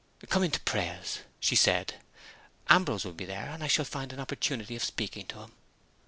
"Come in to prayers," she said. "Ambrose will be there, and I shall find an opportunity of speaking to him."